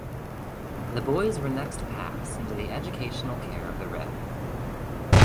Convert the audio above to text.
The boys were next passed into the educational care of the Rev.